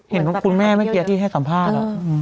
เห็นว่าคุณแม่แม่เกียร์ที่ให้สัมภาษณ์